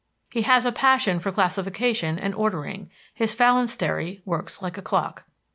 He has a passion for classification and ordering; "his phalanstery works like a clock."